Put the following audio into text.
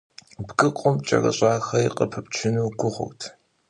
Бгыкъум кӀэрыщӀахэри къыпыпчыну гугъут.